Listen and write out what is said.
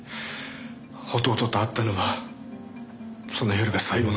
弟と会ったのはその夜が最後なんです。